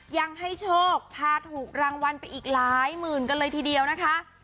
ยังให้โชคพาถูกรางวัลไปอีกหลายหมื่นกันเลยทีเดียวนะคะ